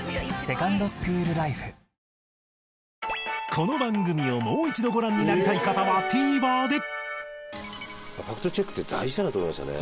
この番組をもう一度ご覧になりたい方はＴＶｅｒでファクトチェックって大事だなと思いましたね。